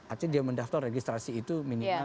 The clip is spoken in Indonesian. artinya dia mendaftar registrasi itu minimal